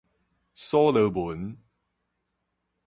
所羅門